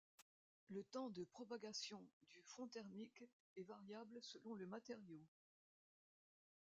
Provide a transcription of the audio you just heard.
Le temps de propagation du front thermique est variable selon le matériau.